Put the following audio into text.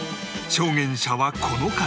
証言者はこの方